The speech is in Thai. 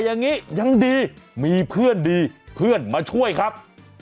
อย่างนี้ยังดีมีเพื่อนดีเพื่อนมาช่วยครับ